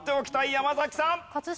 山崎さん。